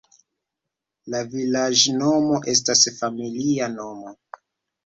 La vilaĝnomo estas familia nomo.